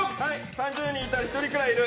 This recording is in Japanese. ３０人いたら１人くらいいる。